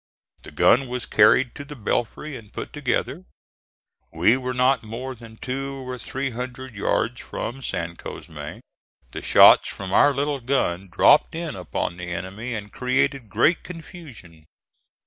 The gun was carried to the belfry and put together. We were not more than two or three hundred yards from San Cosme. The shots from our little gun dropped in upon the enemy and created great confusion.